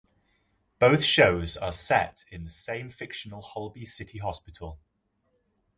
Both shows are set in the same fictional Holby City Hospital.